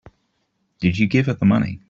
Did you give her the money?